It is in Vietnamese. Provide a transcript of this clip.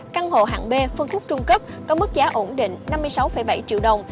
căn hộ hạng b phân khúc trung cấp có mức giá ổn định năm mươi sáu bảy triệu đồng